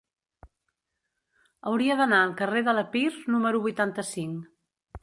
Hauria d'anar al carrer de l'Epir número vuitanta-cinc.